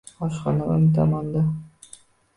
Oshxona o'ng tomonda.